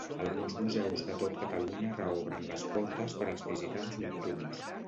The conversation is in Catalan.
Alguns museus de tot Catalunya reobren les portes per als visitants nocturns.